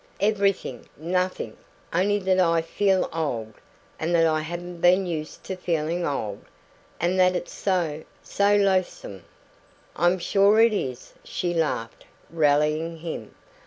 "Everything nothing only that I feel old and that I haven't been used to feeling old and that it's so so loathsome " "I'm sure it is," she laughed, rallying him.